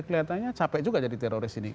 kelihatannya capek juga jadi teroris ini